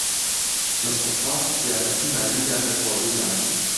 مستەفا یارمەتیی ماریی دا لە پرۆژەی زانستی.